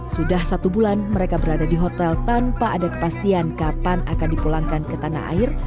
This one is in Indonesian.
sudah satu bulan mereka berada di hotel tanpa ada kepastian kapan akan dipulangkan ke tanah air